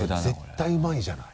絶対うまいじゃない。